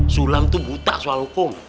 sulam itu buta soal hukum